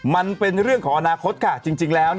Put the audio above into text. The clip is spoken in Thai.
มันเป็นเรื่องของอนาคตค่ะจริงแล้ว